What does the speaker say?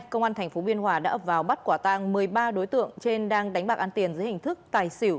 công an tp biên hòa đã ấp vào bắt quả tăng một mươi ba đối tượng trên đang đánh bạc ăn tiền dưới hình thức tài xỉu